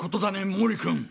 毛利君？